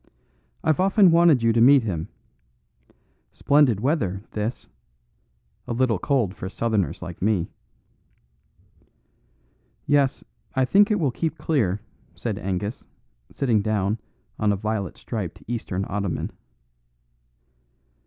"I've often wanted you to meet him. Splendid weather, this; a little cold for Southerners like me." "Yes, I think it will keep clear," said Angus, sitting down on a violet striped Eastern ottoman.